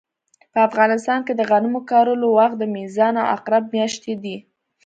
په افغانستان کې د غنمو کرلو وخت د میزان او عقرب مياشتې دي